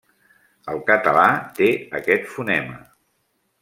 El català té aquest fonema.